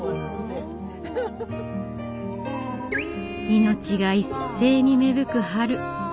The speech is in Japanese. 命が一斉に芽吹く春。